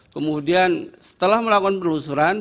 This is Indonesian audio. kemudian setelah melakukan penelusuran